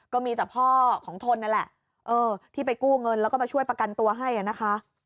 ก็มีแต่พ่อของทนนั่นแหละเออที่ไปกู้เงินแล้วก็มาช่วยประกันตัวให้นะคะ